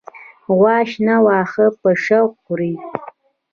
غوا شنه واخه په شوق خوری